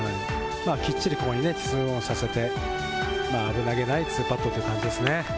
きっちり、ここに２オンさせて、危なげないツーパットという感じですね。